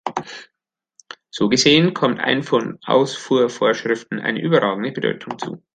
So gesehen kommt Einfuhr- und Ausfuhrvorschriften eine überragende Bedeutung zu.